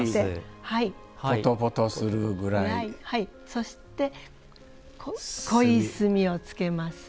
そして濃い墨をつけます。